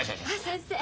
先生